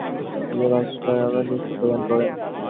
তিনি কালচক্র ও বিমলপ্রভা টীকাভাষ্য সম্বন্ধে শিক্ষাদান করেন।